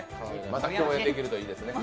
また共演できると思いますね。